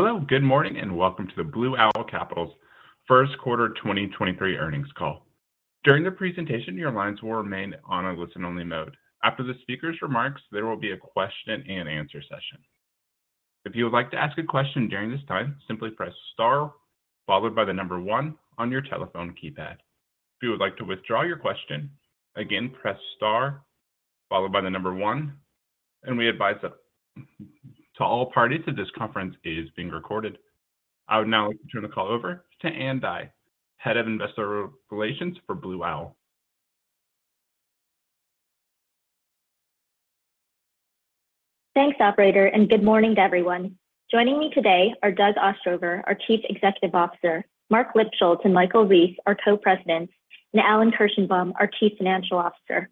Hello, good morning, and welcome to the Blue Owl Capital's first quarter 2023 earnings call. During the presentation, your lines will remain on a listen-only mode. After the speaker's remarks, there will be a question and answer session. If you would like to ask a question during this time, simply press star followed by the number one on your telephone keypad. If you would like to withdraw your question, again, press star followed by the number one. We advise that to all parties that this conference is being recorded. I would now like to turn the call over to Ann Dai, Head of Investor Relations for Blue Owl. Thanks, operator, and good morning to everyone. Joining me today are Doug Ostrover, our Chief Executive Officer, Marc Lipschultz and Michael Rees, our Co-Presidents, and Alan Kirshenbaum, our Chief Financial Officer.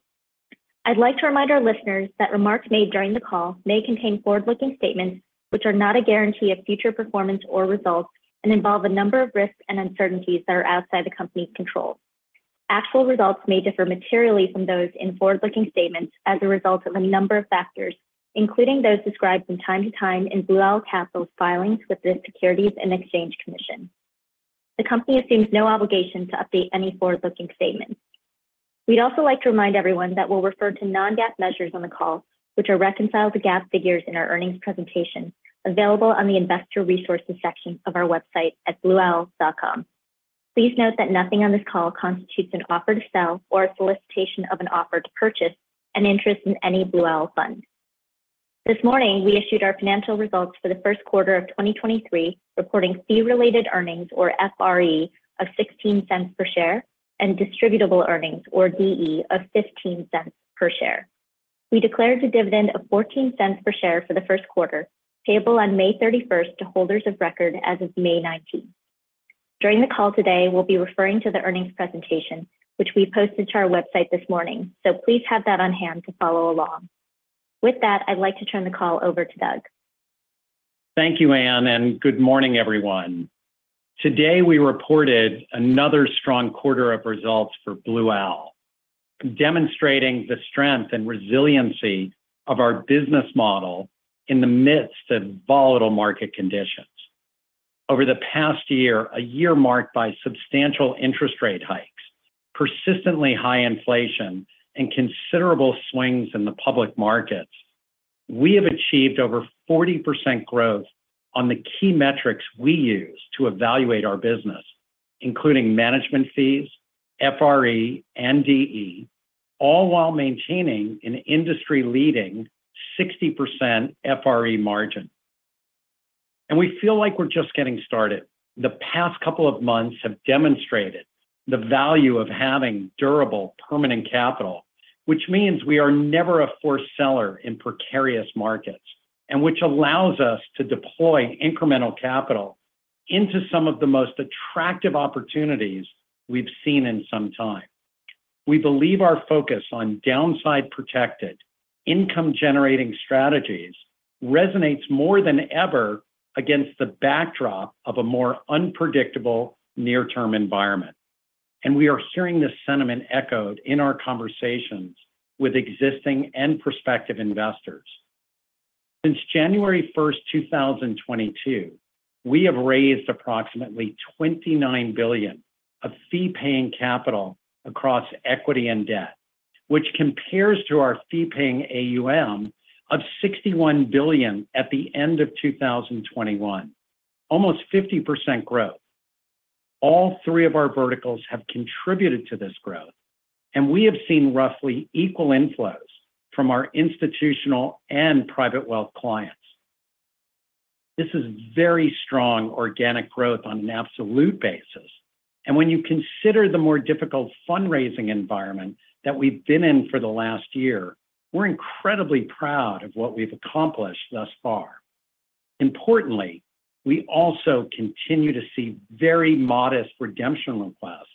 I'd like to remind our listeners that remarks made during the call may contain forward-looking statements which are not a guarantee of future performance or results and involve a number of risks and uncertainties that are outside the company's control. Actual results may differ materially from those in forward-looking statements as a result of a number of factors, including those described from time to time in Blue Owl Capital's filings with the Securities and Exchange Commission. The company assumes no obligation to update any forward-looking statements. We'd also like to remind everyone that we'll refer to non-GAAP measures on the call, which are reconciled to GAAP figures in our earnings presentation available on the Investor Resources section of our website at blueowl.com. Please note that nothing on this call constitutes an offer to sell or a solicitation of an offer to purchase an interest in any Blue Owl fund. This morning, we issued our financial results for the first quarter of 2023, reporting fee-related earnings or FRE of $0.16 per share and distributable earnings or DE of $0.15 per share. We declared a dividend of $0.14 per share for the first quarter, payable on May 31st to holders of record as of May 19th. During the call today, we'll be referring to the earnings presentation, which we posted to our website this morning, please have that on hand to follow along. With that, I'd like to turn the call over to Doug. Thank you, Anne, and good morning, everyone. Today, we reported another strong quarter of results for Blue Owl, demonstrating the strength and resiliency of our business model in the midst of volatile market conditions. Over the past year, a year marked by substantial interest rate hikes, persistently high inflation, and considerable swings in the public markets, we have achieved over 40% growth on the key metrics we use to evaluate our business, including management fees, FRE, and DE, all while maintaining an industry-leading 60% FRE margin. We feel like we're just getting started. The past couple of months have demonstrated the value of having durable, permanent capital, which means we are never a forced seller in precarious markets and which allows us to deploy incremental capital into some of the most attractive opportunities we've seen in some time. We believe our focus on downside-protected, income-generating strategies resonates more than ever against the backdrop of a more unpredictable near-term environment. We are hearing this sentiment echoed in our conversations with existing and prospective investors. Since January 1st, 2022, we have raised approximately $29 billion of fee-paying capital across equity and debt, which compares to our fee-paying AUM of $61 billion at the end of 2021, almost 50% growth. All three of our verticals have contributed to this growth, and we have seen roughly equal inflows from our institutional and private wealth clients. This is very strong organic growth on an absolute basis. When you consider the more difficult fundraising environment that we've been in for the last year, we're incredibly proud of what we've accomplished thus far. Importantly, we also continue to see very modest redemption requests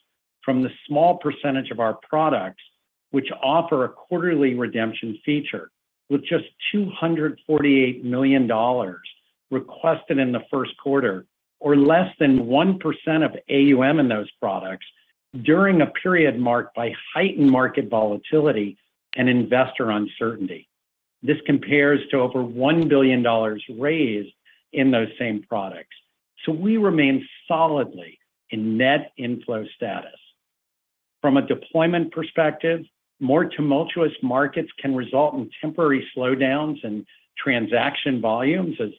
from the small percentage of our products which offer a quarterly redemption feature with just $248 million requested in the first quarter, or less than 1% of AUM in those products during a period marked by heightened market volatility and investor uncertainty. This compares to over $1 billion raised in those same products. We remain solidly in net inflow status. From a deployment perspective, more tumultuous markets can result in temporary slowdowns in transaction volumes as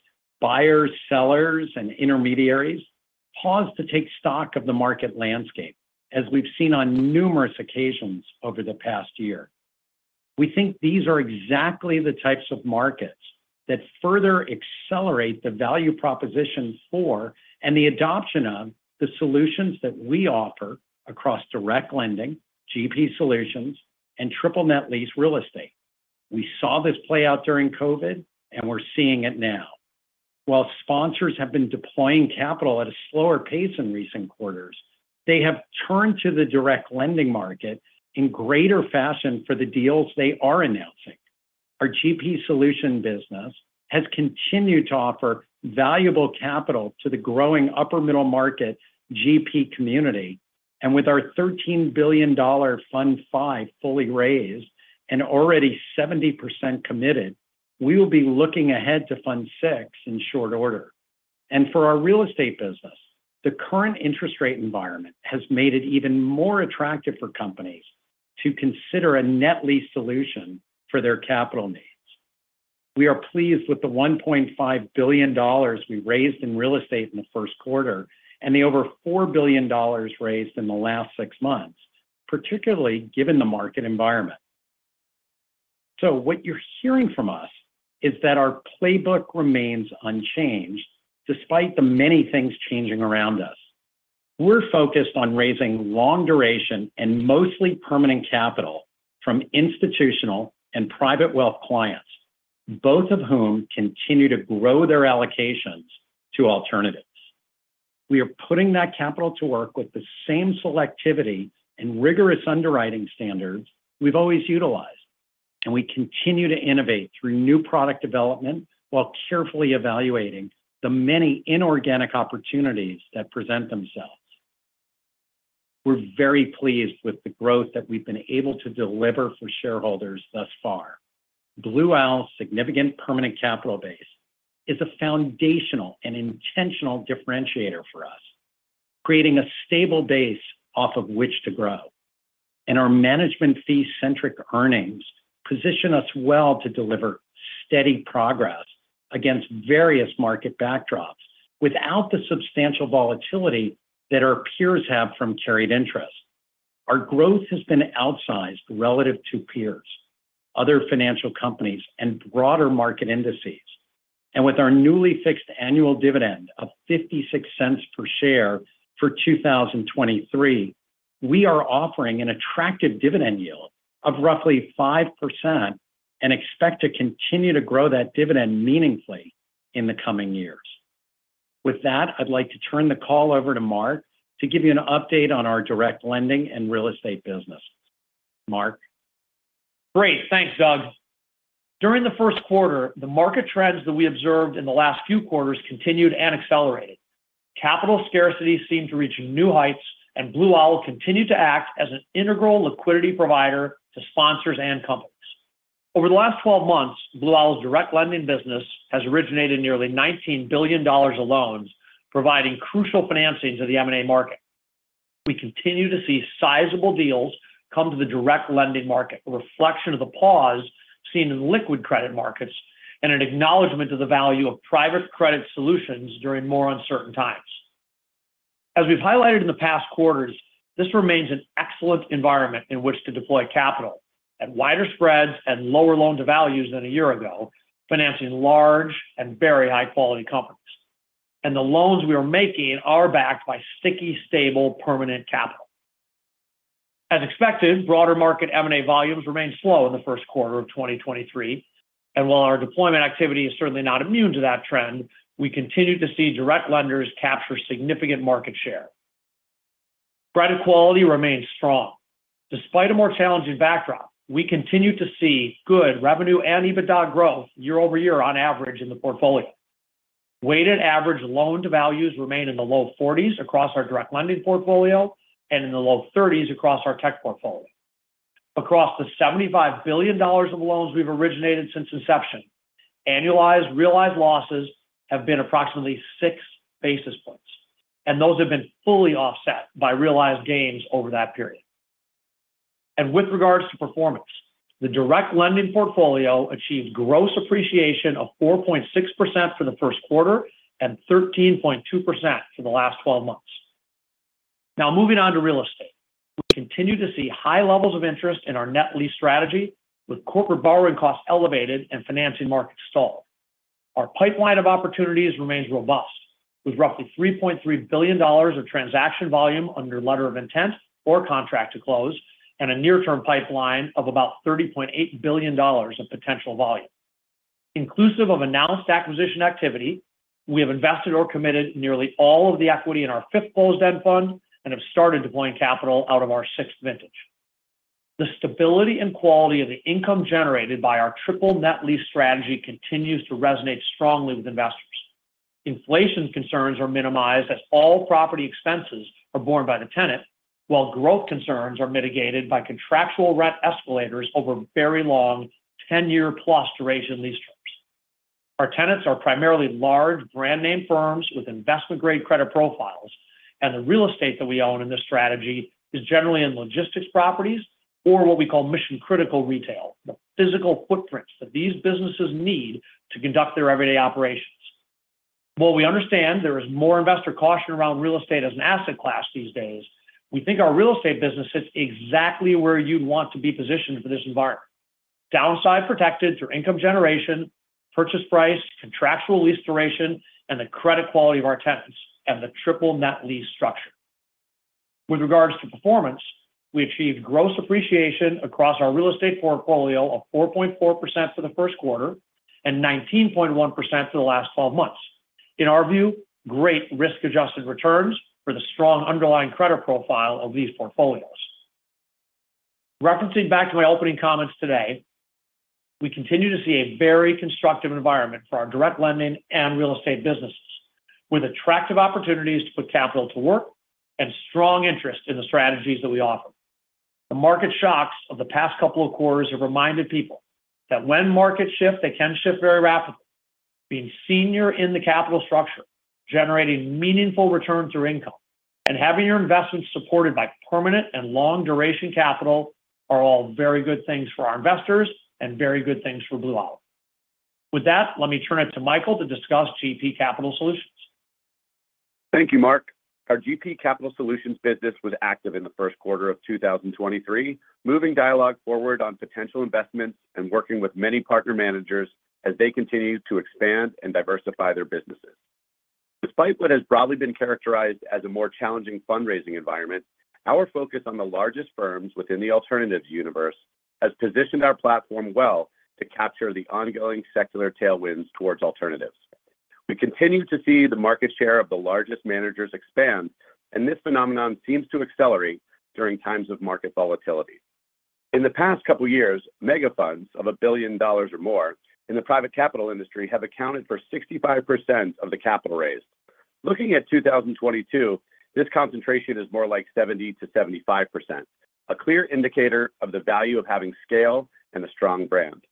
buyers, sellers, intermediaries pause to take stock of the market landscape, as we've seen on numerous occasions over the past year. We think these are exactly the types of markets that further accelerate the value propositions for and the adoption of the solutions that we offer across Direct Lending, GP Solutions, and triple net lease real estate. We saw this play out during COVID, and we're seeing it now. While sponsors have been deploying capital at a slower pace in recent quarters, they have turned to the Direct Lending market in greater fashion for the deals they are announcing. Our GP solution business has continued to offer valuable capital to the growing upper middle market GP community. With our $13 billion Fund V fully raised and already 70% committed, we will be looking ahead to Fund Six in short order. For our real estate business, the current interest rate environment has made it even more attractive for companies to consider a net lease solution for their capital needs. We are pleased with the $1.5 billion we raised in real estate in the first quarter and the over $4 billion raised in the last six months, particularly given the market environment. What you're hearing from us is that our playbook remains unchanged despite the many things changing around us. We're focused on raising long duration and mostly permanent capital from institutional and private wealth clients, both of whom continue to grow their allocations to alternatives. We are putting that capital to work with the same selectivity and rigorous underwriting standards we've always utilized, and we continue to innovate through new product development while carefully evaluating the many inorganic opportunities that present themselves. We're very pleased with the growth that we've been able to deliver for shareholders thus far. Blue Owl's significant permanent capital base is a foundational and intentional differentiator for us, creating a stable base off of which to grow. Our management fee-centric earnings position us well to deliver steady progress against various market backdrops without the substantial volatility that our peers have from carried interest. Our growth has been outsized relative to peers, other financial companies, and broader market indices. With our newly fixed annual dividend of $0.56 per share for 2023, we are offering an attractive dividend yield of roughly 5% and expect to continue to grow that dividend meaningfully in the coming years. With that, I'd like to turn the call over to Marc to give you an update on our direct lending and real estate business. Marc. Great. Thanks, Doug. During the first quarter, the market trends that we observed in the last few quarters continued and accelerated. Capital scarcity seemed to reach new heights, and Blue Owl continued to act as an integral liquidity provider to sponsors and companies. Over the last 12 months, Blue Owl's Direct Lending business has originated nearly $19 billion of loans, providing crucial financing to the M&A market. We continue to see sizable deals come to the Direct Lending market, a reflection of the pause seen in the liquid credit markets and an acknowledgment to the value of private credit solutions during more uncertain times. As we've highlighted in the past quarters, this remains an excellent environment in which to deploy capital at wider spreads and lower loan to values than a year ago, financing large and very high-quality companies. The loans we are making are backed by sticky, stable, permanent capital. As expected, broader market M&A volumes remained slow in the first quarter of 2023. While our deployment activity is certainly not immune to that trend, we continue to see direct lenders capture significant market share. Credit quality remains strong. Despite a more challenging backdrop, we continue to see good revenue and EBITDA growth year-over-year on average in the portfolio. Weighted average loan to values remain in the low 40s across our direct lending portfolio and in the low 30s across our tech portfolio. Across the $75 billion of loans we've originated since inception, annualized realized losses have been approximately 6 basis points, and those have been fully offset by realized gains over that period. With regards to performance, the Direct Lending portfolio achieved gross appreciation of 4.6% for the first quarter and 13.2% for the last four months. Now moving on to real estate. We continue to see high levels of interest in our net lease strategy with corporate borrowing costs elevated and financing markets stalled. Our pipeline of opportunities remains robust with roughly $3.3 billion of transaction volume under letter of intent or contract to close and a near-term pipeline of about $30.8 billion of potential volume. Inclusive of announced acquisition activity, we have invested or committed nearly all of the equity in our fifth closed-end fund and have started deploying capital out of our sixth vintage. The stability and quality of the income generated by our triple net lease strategy continues to resonate strongly with investors. Inflation concerns are minimized as all property expenses are borne by the tenant, while growth concerns are mitigated by contractual rent escalators over very long 10-year-plus duration lease terms. Our tenants are primarily large brand name firms with investment-grade credit profiles, and the real estate that we own in this strategy is generally in logistics properties or what we call mission-critical retail, the physical footprints that these businesses need to conduct their everyday operations. While we understand there is more investor caution around real estate as an asset class these days, we think our real estate business sits exactly where you'd want to be positioned for this environment. Downside protected through income generation, purchase price, contractual lease duration, and the credit quality of our tenants, and the triple net lease structure. With regards to performance, we achieved gross appreciation across our real estate portfolio of 4.4% for the first quarter and 19.1% for the last four months. In our view, great risk-adjusted returns for the strong underlying credit profile of these portfolios. Referencing back to my opening comments today, we continue to see a very constructive environment for our Direct Lending and real estate businesses, with attractive opportunities to put capital to work and strong interest in the strategies that we offer. The market shocks of the past couple of quarters have reminded people that when markets shift, they can shift very rapidly. Being senior in the capital structure, generating meaningful returns through income, and having your investments supported by permanent and long-duration capital are all very good things for our investors and very good things for Blue Owl. With that, let me turn it to Michael to discuss GP Strategic Capital. Thank you, Marc. Our GP Capital Solutions business was active in the first quarter of 2023, moving dialogue forward on potential investments and working with many partner managers as they continue to expand and diversify their businesses. Despite what has broadly been characterized as a more challenging fundraising environment, our focus on the largest firms within the alternatives universe has positioned our platform well to capture the ongoing secular tailwinds towards alternatives. We continue to see the market share of the largest managers expand, and this phenomenon seems to accelerate during times of market volatility. In the past couple years, mega-funds of $1 billion or more in the private capital industry have accounted for 65% of the capital raised. Looking at 2022, this concentration is more like 70%-75%, a clear indicator of the value of having scale and a strong brand.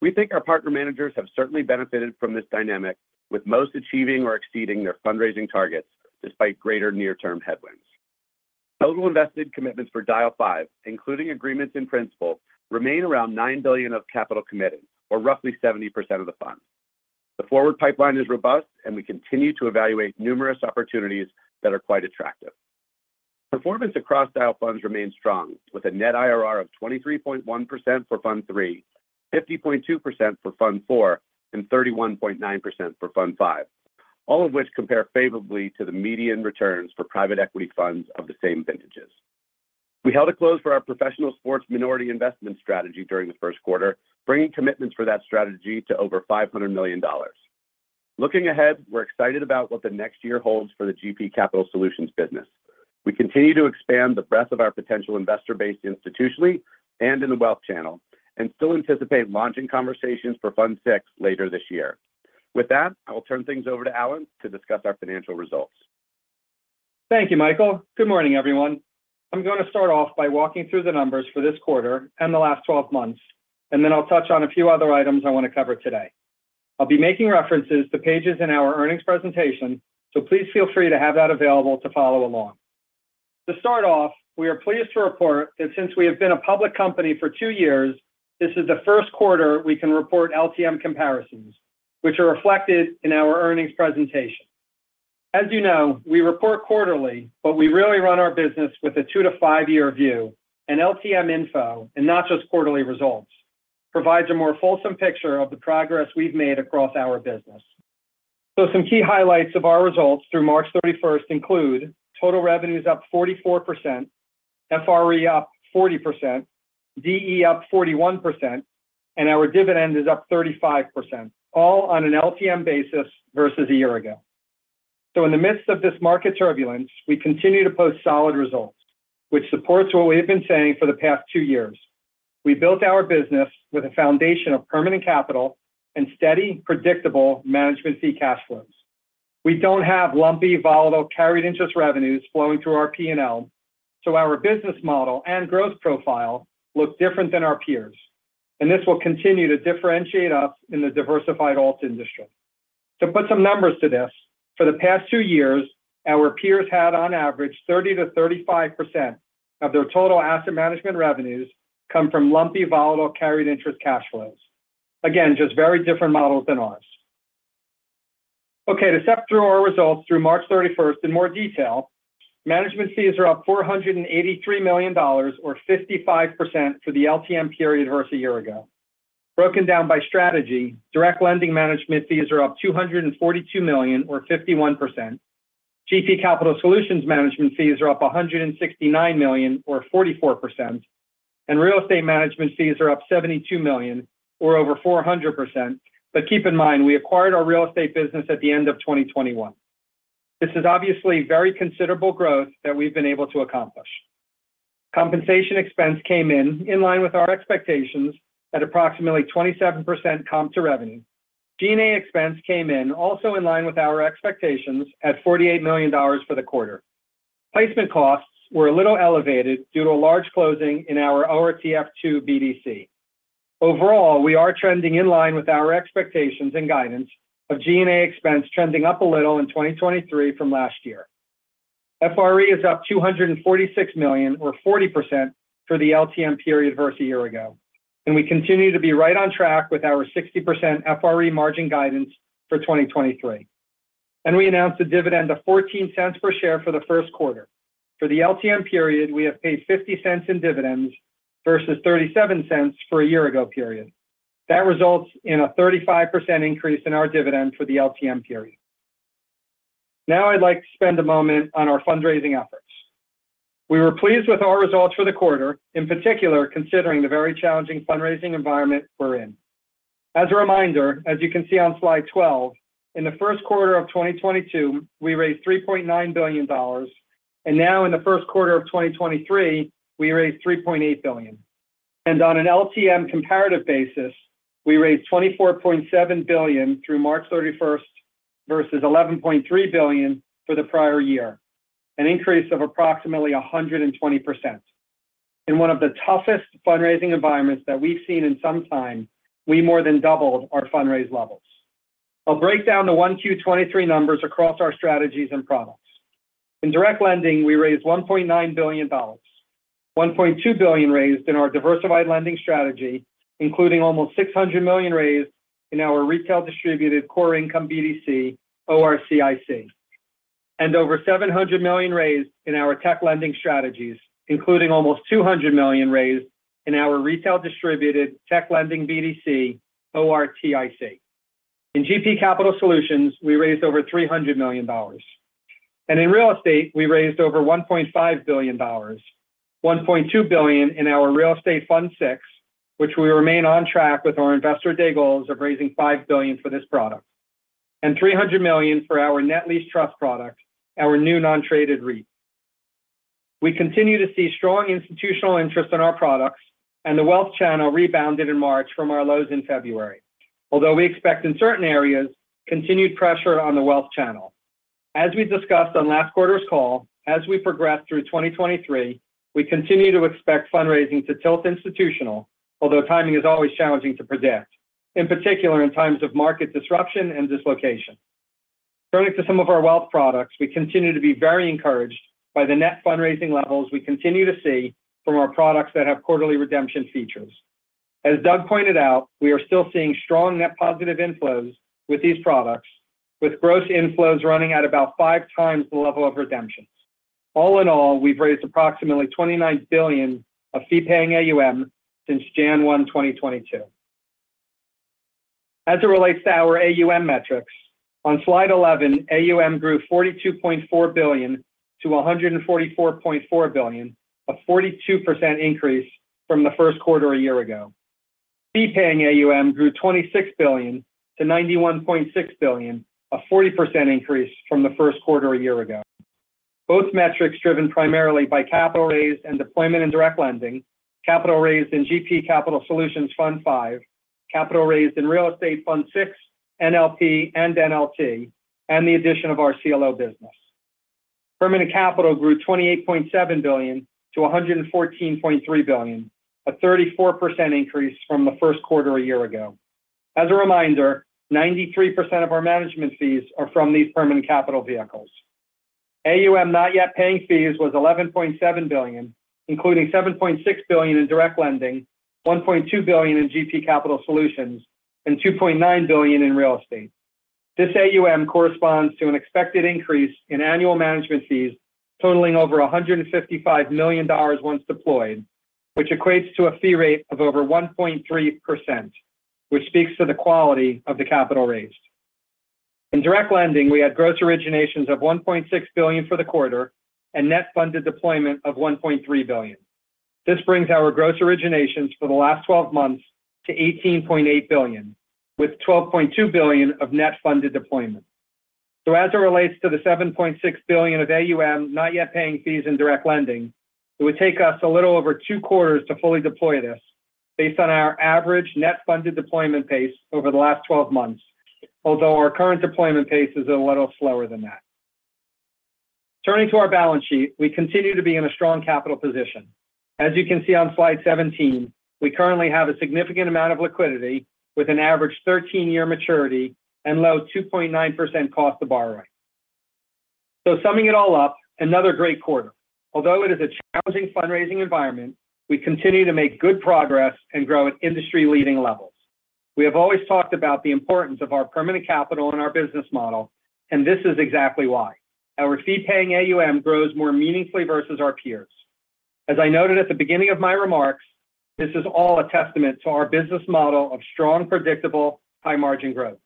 We think our partner managers have certainly benefited from this dynamic, with most achieving or exceeding their fundraising targets despite greater near-term headwinds. Total invested commitments for Dyal Fund V, including agreements in principle, remain around $9 billion of capital committed, or roughly 70% of the fund. The forward pipeline is robust, and we continue to evaluate numerous opportunities that are quite attractive. Performance across Dyal funds remains strong, with a net IRR of 23.1% for Fund Three, 50.2% for Fund Four, and 31.9% for Fund Five, all of which compare favorably to the median returns for private equity funds of the same vintages. We held a close for our professional sports minority investment strategy during the first quarter, bringing commitments for that strategy to over $500 million. Looking ahead, we're excited about what the next year holds for the GP Capital Solutions business. We continue to expand the breadth of our potential investor base institutionally and in the wealth channel and still anticipate launching conversations for Fund Six later this year. With that, I will turn things over to Alan to discuss our financial results. Thank you, Michael. Good morning, everyone. I'm going to start off by walking through the numbers for this quarter and the last 12 months, and then I'll touch on a few other items I want to cover today. I'll be making references to pages in our earnings presentation, so please feel free to have that available to follow along. To start off, we are pleased to report that since we have been a public company for two years, this is the first quarter we can report LTM comparisons, which are reflected in our earnings presentation. As you know, we report quarterly, but we really run our business with a two-to-five-year view, and LTM info, and not just quarterly results, provides a more fulsome picture of the progress we've made across our business. Some key highlights of our results through March thirty-first include total revenues up 44%, FRE up 40%, DE up 41%, and our dividend is up 35%, all on an LTM basis versus a year ago. In the midst of this market turbulence, we continue to post solid results, which supports what we have been saying for the past two years. We built our business with a foundation of permanent capital and steady, predictable management cash flows. We don't have lumpy, volatile carried interest revenues flowing through our P&L. Our business model and growth profile look different than our peers, and this will continue to differentiate us in the diversified alt industry. To put some numbers to this, for the past 2 years, our peers had on average 30%-35% of their total asset management revenues come from lumpy, volatile carried interest cash flows. Just very different models than ours. To step through our results through March 31st in more detail. Management fees are up $483 million or 55% for the LTM period versus a year ago. Broken down by strategy, Direct Lending management fees are up $242 million or 51%. GP Strategic Capital management fees are up $169 million or 44%, real estate management fees are up $72 million or over 400%. Keep in mind, we acquired our real estate business at the end of 2021. This is obviously very considerable growth that we've been able to accomplish. Compensation expense came in in line with our expectations at approximately 27% comp to revenue. G&A expense came in also in line with our expectations at $48 million for the quarter. Placement costs were a little elevated due to a large closing in our ORTF 2 BDC. Overall, we are trending in line with our expectations and guidance of G&A expense trending up a little in 2023 from last year. FRE is up $246 million or 40% for the LTM period versus a year ago. We continue to be right on track with our 60% FRE margin guidance for 2023. We announced a dividend of $0.14 per share for the first quarter. For the LTM period, we have paid $0.50 in dividends versus $0.37 for a year ago period. That results in a 35% increase in our dividend for the LTM period. Now I'd like to spend a moment on our fundraising efforts. We were pleased with our results for the quarter, in particular considering the very challenging fundraising environment we're in. As a reminder, as you can see on slide 12, in the first quarter of 2022, we raised $3.9 billion, and now in the first quarter of 2023, we raised $3.8 billion. On an LTM comparative basis, we raised $24.7 billion through March 31st versus $11.3 billion for the prior year, an increase of approximately 120%. In one of the toughest fundraising environments that we've seen in some time, we more than doubled our fundraise levels. I'll break down the 1Q-23 numbers across our strategies and products. In direct lending, we raised $1.9 billion. $1.2 billion raised in our diversified lending strategy, including almost $600 million raised in our retail-distributed core income BDC, OCIC, and over $700 million raised in our tech lending strategies, including almost $200 million raised in our retail-distributed tech lending BDC, OTIC. In GP Capital Solutions, we raised over $300 million. In real estate, we raised over $1.5 billion. $1.2 billion in our Real Estate Fund VI, which we remain on track with our investor day goals of raising $5 billion for this product, and $300 million for our Net Lease Trust product, our new non-traded REIT. We continue to see strong institutional interest in our products, and the wealth channel rebounded in March from our lows in February. We expect in certain areas, continued pressure on the wealth channel. As we discussed on last quarter's call, as we progress through 2023, we continue to expect fundraising to tilt institutional, although timing is always challenging to predict, in particular, in times of market disruption and dislocation. Turning to some of our wealth products, we continue to be very encouraged by the net fundraising levels we continue to see from our products that have quarterly redemption features. As Doug pointed out, we are still seeing strong net positive inflows with these products, with gross inflows running at about five times the level of redemptions. All in all, we've raised approximately $29 billion of fee-paying AUM since January, 2022. As it relates to our AUM metrics, on slide 11, AUM grew $42.4 billion to $144.4 billion, a 42% increase from the first quarter a year ago. Fee-paying AUM grew $26 billion to $91.6 billion, a 40% increase from the first quarter a year ago. Both metrics driven primarily by capital raised and deployment in Direct Lending, capital raised in GP Capital Solutions Fund V, capital raised in Real Estate Fund VI, NLP, and NLT, and the addition of our CLO business. Permanent capital grew $28.7 billion to $114.3 billion, a 34% increase from the first quarter a year ago. As a reminder, 93% of our management fees are from these permanent capital vehicles. AUM not yet paying fees was $11.7 billion, including $7.6 billion in Direct Lending, $1.2 billion in GP Capital Solutions, and $2.9 billion in real estate. This AUM corresponds to an expected increase in annual management fees totaling over $155 million once deployed, which equates to a fee rate of over 1.3%, which speaks to the quality of the capital raised. In Direct Lending, we had gross originations of $1.6 billion for the quarter and net funded deployment of $1.3 billion. This brings our gross originations for the last 12 months to $18.8 billion, with $12.2 billion of net funded deployment. As it relates to the $7.6 billion of AUM not yet paying fees in direct lending, it would take us a little over two quarters to fully deploy this based on our average net funded deployment pace over the last 12 months. Although our current deployment pace is a little slower than that. Turning to our balance sheet, we continue to be in a strong capital position. As you can see on slide 17, we currently have a significant amount of liquidity with an average 13-year maturity and low 2.9% cost of borrowing. Summing it all up, another great quarter. Although it is a challenging fundraising environment, we continue to make good progress and grow at industry-leading levels. We have always talked about the importance of our permanent capital in our business model, and this is exactly why. Our fee-paying AUM grows more meaningfully versus our peers. As I noted at the beginning of my remarks, this is all a testament to our business model of strong, predictable, high-margin growth.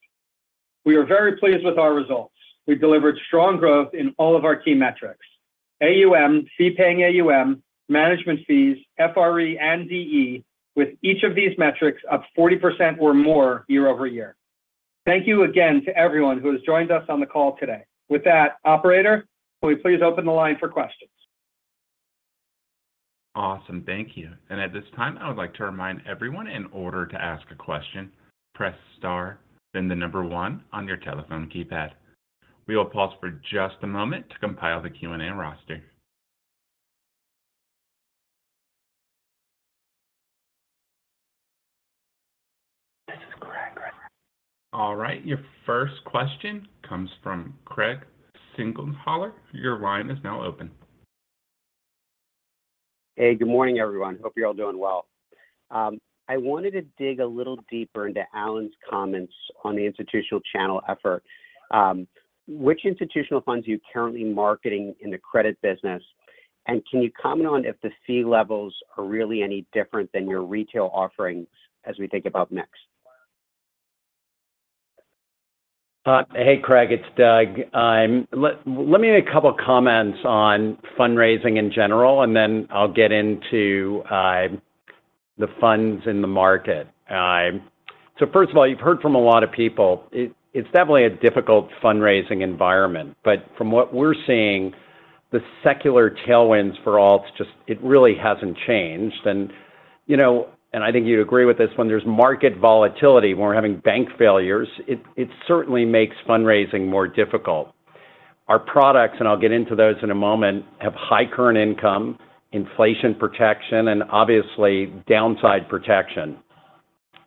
We are very pleased with our results. We delivered strong growth in all of our key metrics, AUM, fee-paying AUM, management fees, FRE, and DE, with each of these metrics up 40% or more year-over-year. Thank you again to everyone who has joined us on the call today. Operator, will you please open the line for questions? Awesome. Thank you. At this time, I would like to remind everyone in order to ask a question, press star, then the number one on your telephone keypad. We will pause for just a moment to compile the Q&A roster. This is Craig. All right, your first question comes from Craig Siegenthaler. Your line is now open. Hey, good morning, everyone. Hope you're all doing well. I wanted to dig a little deeper into Alan's comments on the institutional channel effort. Which institutional funds are you currently marketing in the credit business? Can you comment on if the fee levels are really any different than your retail offerings as we think about next? Hey Craig, it's Doug. Let me make a couple comments on fundraising in general, and then I'll get into the funds in the market. First of all, you've heard from a lot of people, it's definitely a difficult fundraising environment. From what we're seeing, the secular tailwinds for Alts it really hasn't changed. You know, and I think you'd agree with this, when there's market volatility, when we're having bank failures, it certainly makes fundraising more difficult. Our products, and I'll get into those in a moment, have high current income, inflation protection, and obviously downside protection.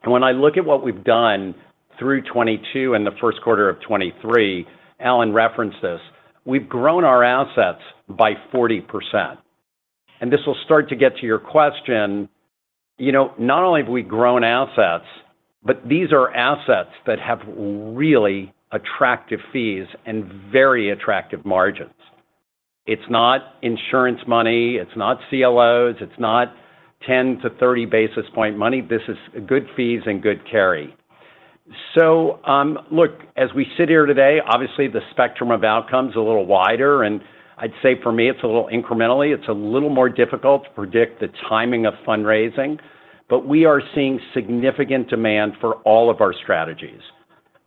When I look at what we've done through 2022 and the first quarter of 2023, Alan referenced this, we've grown our assets by 40%. This will start to get to your question. You know, not only have we grown assets, these are assets that have really attractive fees and very attractive margins. It's not insurance money, it's not CLOs, it's not 10 to 30 basis point money. This is good fees and good carry. Look, as we sit here today, obviously the spectrum of outcomes a little wider. I'd say for me, it's a little more difficult to predict the timing of fundraising. We are seeing significant demand for all of our strategies.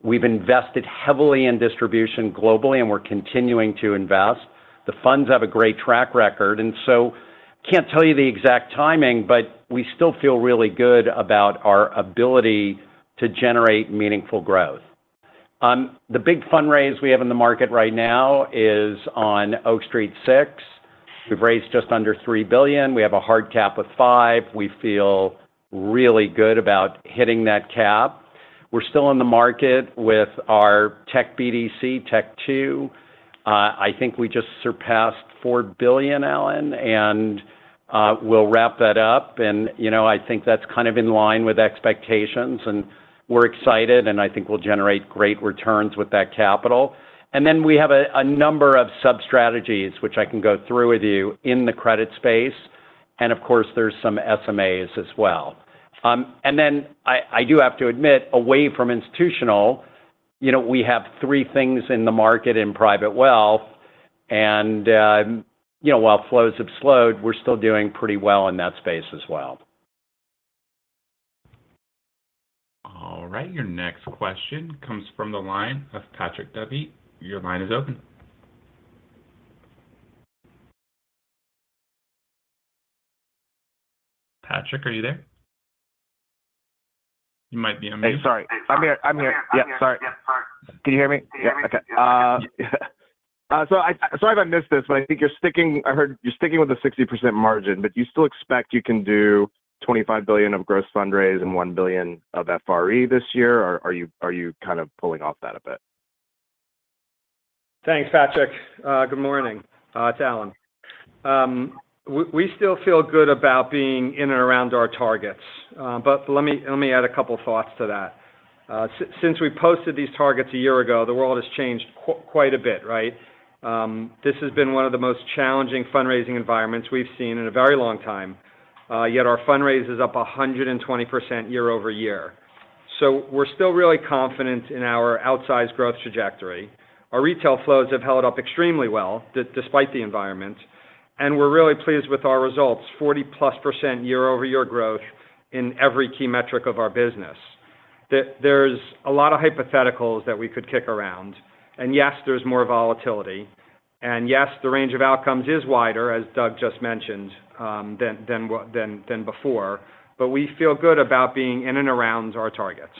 We've invested heavily in distribution globally, we're continuing to invest. The funds have a great track record, can't tell you the exact timing, we still feel really good about our ability to generate meaningful growth. The big fundraise we have in the market right now is on Oak Street Six. We've raised just under $3 billion. We have a hard cap of 5. We feel really good about hitting that cap. We're still in the market with our tech BDC, Tech Two. I think we just surpassed $4 billion, Alan, and we'll wrap that up. You know, I think that's kind of in line with expectations, and we're excited, and I think we'll generate great returns with that capital. Then we have a number of sub-strategies which I can go through with you in the credit space, and of course, there's some SMAs as well. Then I do have to admit, away from institutional, you know, we have three things in the market in private wealth and, you know, while flows have slowed, we're still doing pretty well in that space as well. All right. Your next question comes from the line of Patrick Davitt. Your line is open. Patrick, are you there? You might be on mute. Sorry. I'm here. Sorry. Can you hear me? Okay. Sorry if I missed this, but I heard you're sticking with the 60% margin, you still expect you can do $25 billion of gross fundraise and $1 billion of FRE this year, are you kind of pulling off that a bit? Thanks, Patrick. Good morning. It's Alan. We still feel good about being in and around our targets. Let me add a couple thoughts to that. Since we posted these targets a year ago, the world has changed quite a bit, right? This has been one of the most challenging fundraising environments we've seen in a very long time. Yet our fundraise is up 120% year-over-year. We're still really confident in our outsized growth trajectory. Our retail flows have held up extremely well despite the environment, and we're really pleased with our results, 40-plus % year-over-year growth in every key metric of our business. There's a lot of hypotheticals that we could kick around. Yes, there's more volatility, and yes, the range of outcomes is wider, as Doug just mentioned, than before. We feel good about being in and around our targets.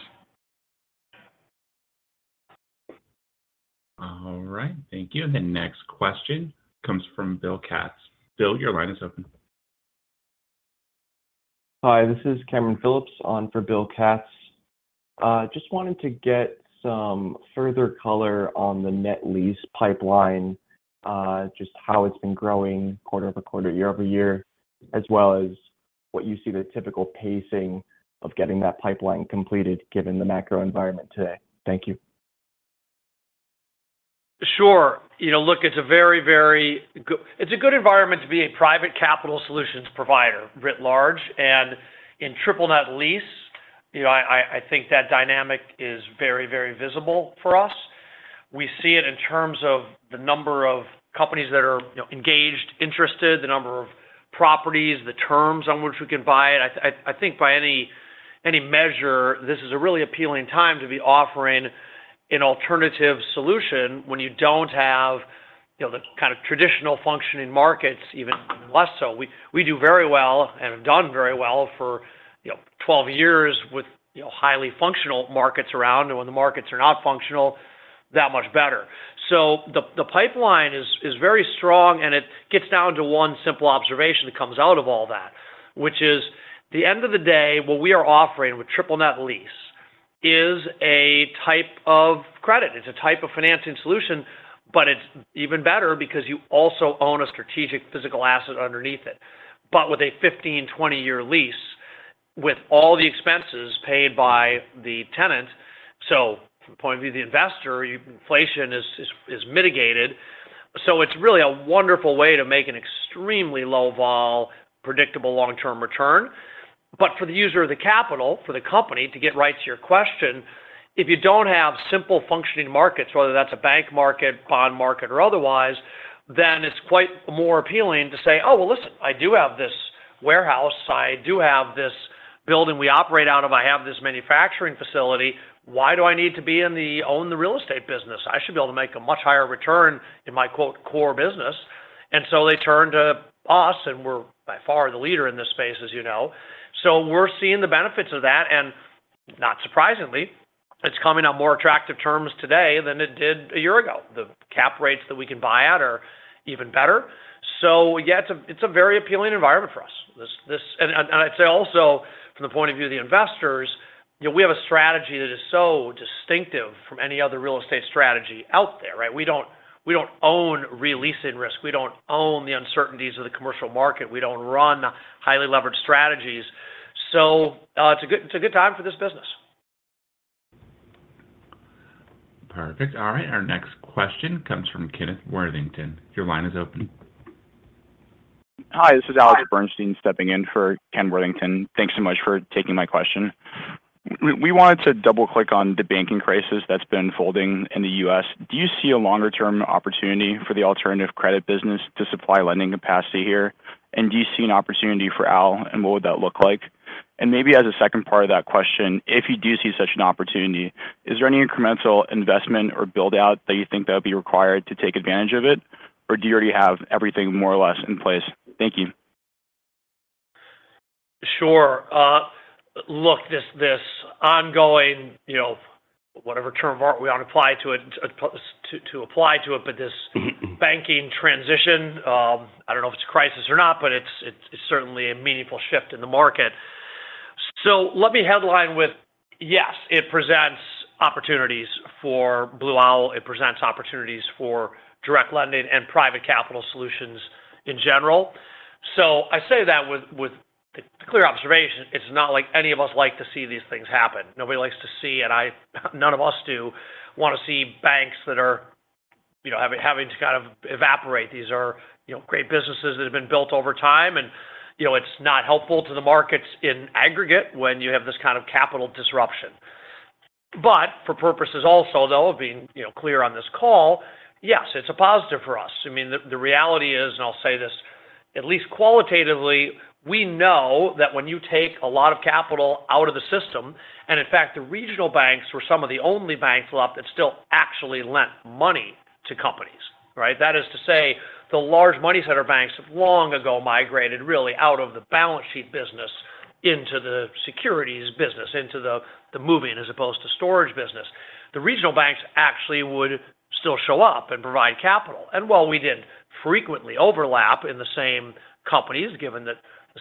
All right. Thank you. The next question comes from Bill Katz. Bill, your line is open. Hi, this is Cameron Phillips on for Bill Katz. Just wanted to get some further color on the net lease pipeline, just how it's been growing quarter-over-quarter, year-over-year, as well as what you see the typical pacing of getting that pipeline completed given the macro environment today. Thank you. Sure. You know, look, it's a very, very good environment to be a private capital solutions provider writ large. In triple net lease, you know, I think that dynamic is very, very visible for us. We see it in terms of the number of companies that are, you know, engaged, interested, the number of properties, the terms on which we can buy. I think by any measure, this is a really appealing time to be offering an alternative solution when you don't have, you know, the kind of traditional functioning markets even less so. We do very well and have done very well for, you know, 12 years with, you know, highly functional markets around, and when the markets are not functional, that much better. The pipeline is very strong, and it gets down to one simple observation that comes out of all that. Which is, the end of the day, what we are offering with triple net lease is a type of credit. It's a type of financing solution, but it's even better because you also own a strategic physical asset underneath it, but with a 15-20-year lease, with all the expenses paid by the tenant. From the point of view of the investor, inflation is mitigated. It's really a wonderful way to make an extremely low vol predictable long-term return. For the user of the capital, for the company, to get right to your question, if you don't have simple functioning markets, whether that's a bank market, bond market or otherwise, then it's quite more appealing to say, "Oh, well, listen, I do have this warehouse. I do have this building we operate out of. I have this manufacturing facility. Why do I need to own the real estate business? I should be able to make a much higher return in my quote, core business." They turn to us, and we're by far the leader in this space, as you know. We're seeing the benefits of that. Not surprisingly, it's coming on more attractive terms today than it did a year ago. The cap rates that we can buy at are even better. Yeah, it's a very appealing environment for us. I'd say also from the point of view of the investors, you know, we have a strategy that is so distinctive from any other real estate strategy out there, right? We don't own re-leasing risk. We don't own the uncertainties of the commercial market. We don't run highly leveraged strategies. It's a good time for this business. Perfect. All right, our next question comes from Kenneth Worthington. Your line is open. Hi, this is Alexander Bernstein stepping in for Ken Worthington. Thanks so much for taking my question. We wanted to double-click on the banking crisis that's been unfolding in the U.S. Do you see a longer-term opportunity for the alternative credit business to supply lending capacity here? Do you see an opportunity for Blue Owl, and what would that look like? Maybe as a second part of that question, if you do see such an opportunity, is there any incremental investment or build-out that you think that would be required to take advantage of it? Do you already have everything more or less in place? Thank you. Sure. Look, this ongoing, you know, whatever term of art we want to apply to it, to apply to it, but this banking transition, I don't know if it's a crisis or not, but it's certainly a meaningful shift in the market. Let me headline with, yes, it presents opportunities for Blue Owl. It presents opportunities for Direct Lending and private capital solutions in general. I say that with a clear observation. It's not like any of us like to see these things happen. Nobody likes to see, none of us do, wanna see banks that are, you know, having to kind of evaporate. These are, you know, great businesses that have been built over time. You know, it's not helpful to the markets in aggregate when you have this kind of capital disruption. For purposes also, though, of being, you know, clear on this call, yes, it's a positive for us. The reality is, and I'll say this, at least qualitatively, we know that when you take a lot of capital out of the system, and in fact, the regional banks were some of the only banks left that still actually lent money to companies, right? That is to say, the large money center banks have long ago migrated really out of the balance sheet business into the securities business, into the moving as opposed to storage business. The regional banks actually would still show up and provide capital. While we didn't frequently overlap in the same companies, given the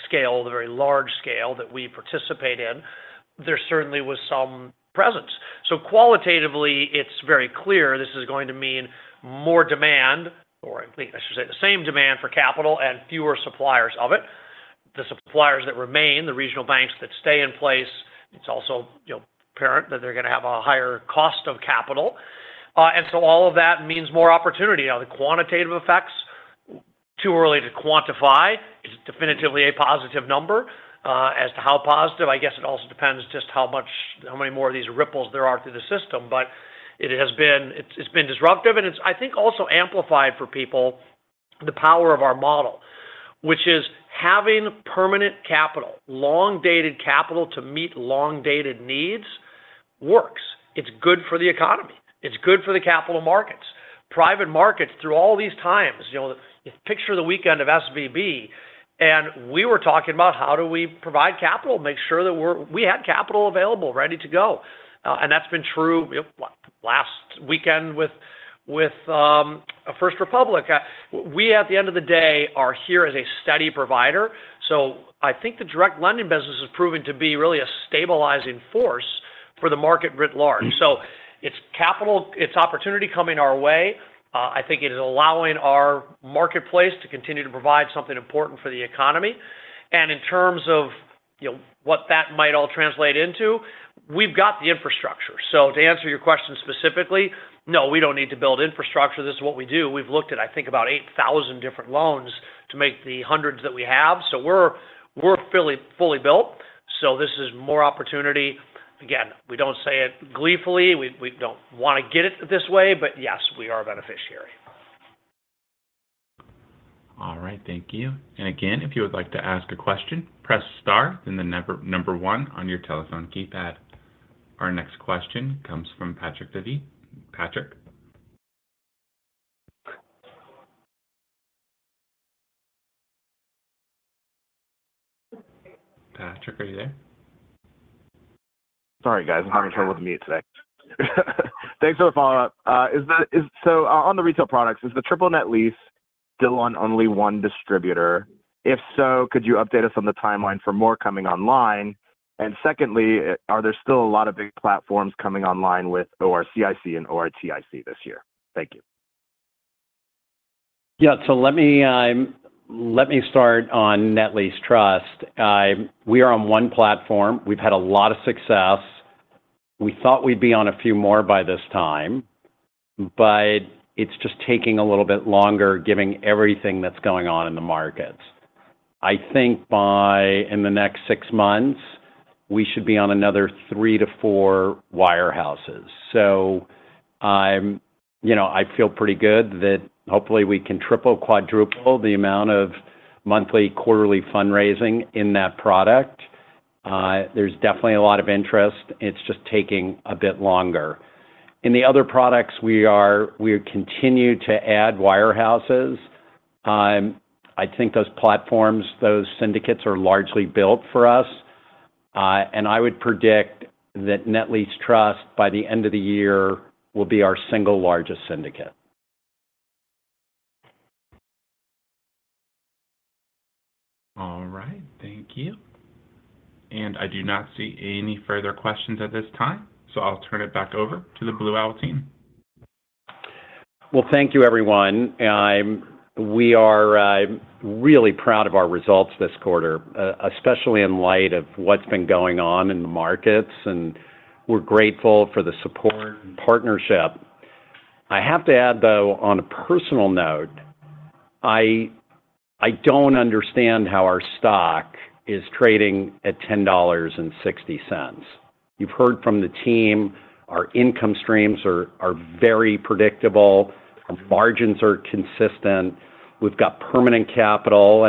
scale, the very large scale that we participate in, there certainly was some presence. Qualitatively, it's very clear this is going to mean more demand, or I should say the same demand for capital and fewer suppliers of it. The suppliers that remain, the regional banks that stay in place, it's also, you know, apparent that they're gonna have a higher cost of capital. All of that means more opportunity. The quantitative effects, too early to quantify. It's definitively a positive number. As to how positive, I guess it also depends just how many more of these ripples there are through the system. It has been, it's been disruptive, and it's I think also amplified for people the power of our model, which is having permanent capital, long-dated capital to meet long-dated needs works. It's good for the economy. It's good for the capital markets. Private markets through all these times, you know, picture the weekend of SVB, we were talking about how do we provide capital, make sure that we had capital available ready to go. That's been true, you know, last weekend with First Republic. We, at the end of the day, are here as a steady provider. I think the direct lending business has proven to be really a stabilizing force for the market writ large. It's capital, it's opportunity coming our way. I think it is allowing our marketplace to continue to provide something important for the economy. In terms of, you know, what that might all translate into, we've got the infrastructure. To answer your question specifically, no, we don't need to build infrastructure. This is what we do. We've looked at, I think, about 8,000 different loans to make the hundreds that we have. We're fully built. This is more opportunity. Again, we don't say it gleefully. We don't wanna get it this way. Yes, we are a beneficiary. All right. Thank you. Again, if you would like to ask a question, press star and then number one on your telephone keypad. Our next question comes from Patrick Davitt. Patrick? Patrick, are you there? Sorry, guys. I'm having trouble with mute today. Thanks for the follow-up. On the retail products, is the triple net lease still on only one distributor? If so, could you update us on the timeline for more coming online? Secondly, are there still a lot of big platforms coming online with OCIC and OTIC this year? Thank you. Yeah. Let me start on Net Lease Trust. We are on one platform. We've had a lot of success We thought we'd be on a few more by this time, but it's just taking a little bit longer, giving everything that's going on in the markets. I think by in the next six months, we should be on another 3 to 4 wirehouses. I'm, you know, I feel pretty good that hopefully we can triple, quadruple the amount of monthly, quarterly fundraising in that product. There's definitely a lot of interest. It's just taking a bit longer. In the other products, we continue to add wirehouses. I think those platforms, those syndicates are largely built for us. I would predict that Net Lease Trust by the end of the year will be our single largest syndicate. All right. Thank you. I do not see any further questions at this time, so I'll turn it back over to the Blue Owl team. Well, thank you everyone. We are really proud of our results this quarter, especially in light of what's been going on in the markets, and we're grateful for the support and partnership. I have to add, though, on a personal note, I don't understand how our stock is trading at $10.60. You've heard from the team our income streams are very predictable, our margins are consistent, we've got permanent capital,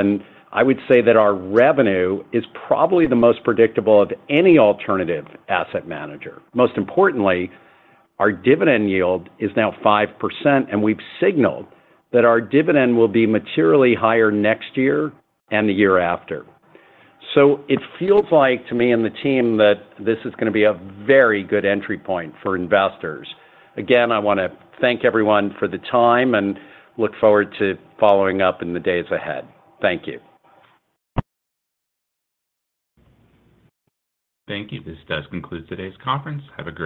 I would say that our revenue is probably the most predictable of any alternative asset manager. Most importantly, our dividend yield is now 5%, we've signaled that our dividend will be materially higher next year and the year after. It feels like to me and the team that this is gonna be a very good entry point for investors. I wanna thank everyone for the time and look forward to following up in the days ahead. Thank you. Thank you. This does conclude today's conference. Have a great-